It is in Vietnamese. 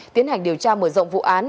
tiến hành điều tra mở rộng vụ án